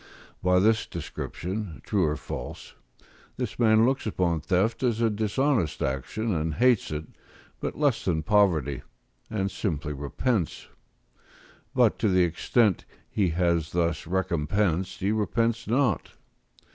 By this description, true or false, this man looks upon theft as a dishonest action, and hates it, but less than poverty, and simply repents; but to the extent he has thus recompensed he repents not.